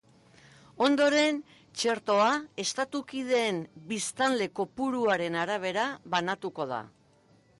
Ondoren, txertoa estatu kideen biztanle kopuruaren arabera banatuko da.